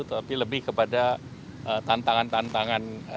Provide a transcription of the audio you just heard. tapi lebih kepada tantangan tantangan